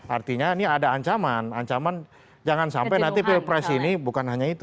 artinya ini ada ancaman ancaman jangan sampai nanti pilpres ini bukan hanya itu